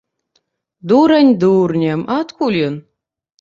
Дурань дурнем, а адкуль ён?